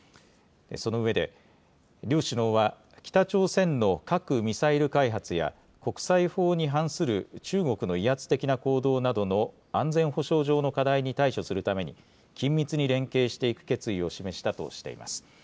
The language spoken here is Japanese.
その上で、両首脳は北朝鮮の核・ミサイル開発や、国際法に反する中国の威圧的な行動などの安全保障上の課題に対処するために、緊密に連携していく決意を示したとしています。